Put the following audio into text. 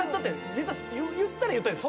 実は言ったら言ったで。